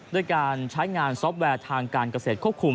ด้วยการใช้งานซอฟต์แวร์ทางการเกษตรควบคุม